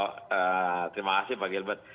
terima kasih pak gilbert